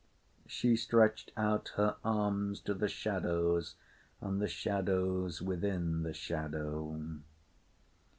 She stretched out her arms to the shadows and the shadows within the shadow.